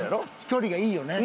距離がいいよね。